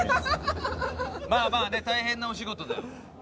まぁまぁね大変なお仕事だよ。